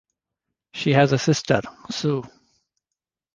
She has a sister, Sue.